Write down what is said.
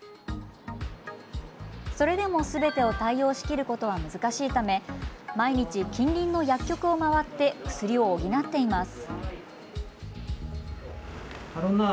それでも、すべてを対応しきることは難しいため毎日、近隣の薬局を回って薬を補っています。